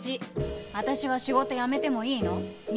１私は仕事辞めてもいいの？